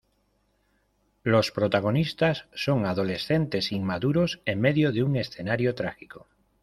Los protagonistas son adolescentes inmaduros en medio de un escenario trágico.